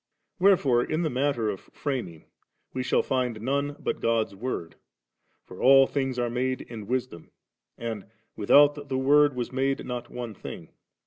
Where fore, in the matter of fiuming, we shall find none but God's Word; for 'all things aie made in Wisdom,' and 'without the Woid was made not one thing.'